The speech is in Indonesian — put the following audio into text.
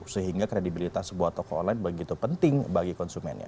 sehingga kredibilitas sebuah toko online begitu penting bagi konsumennya